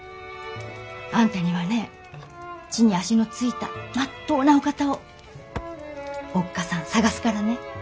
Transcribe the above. あんたにはね地に足の着いたまっとうなお方をおっ母さん探すからね。